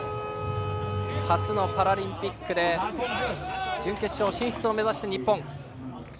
初のパラリンピックで準決勝進出を目指す日本。